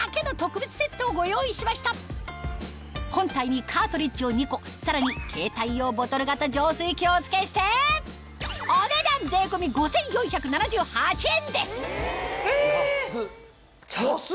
今回は本体にカートリッジを２個さらに携帯用ボトル型浄水器をお付けしてお値段ちょっと！